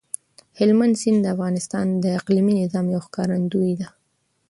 هلمند سیند د افغانستان د اقلیمي نظام یو ښکارندوی دی.